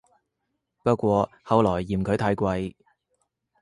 不過後來嫌佢太貴